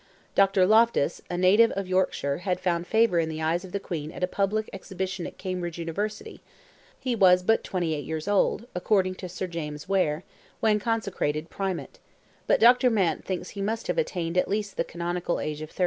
Dr. Loftus, a native of Yorkshire, had found favour in the eyes of the Queen at a public exhibition at Cambridge University; he was but 28 years old, according to Sir James Ware, when consecrated Primate—but Dr. Mant thinks he must have attained at least the canonical age of 30.